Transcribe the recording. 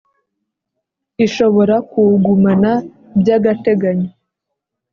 ishobora kuwugumana by agateganyo